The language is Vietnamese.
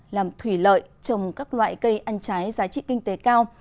làm thủy lợi trồng các loại cây ăn trái giá trị kinh tế cao